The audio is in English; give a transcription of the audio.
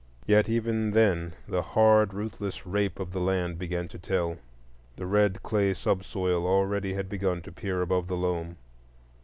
Yet even then the hard ruthless rape of the land began to tell. The red clay sub soil already had begun to peer above the loam.